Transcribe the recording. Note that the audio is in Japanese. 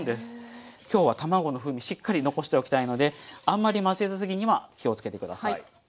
今日は卵の風味しっかり残しておきたいのであんまり混ぜすぎには気をつけてください。